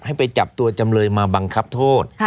ให้ไปจับตัวจำเลยมาบังคับโทษ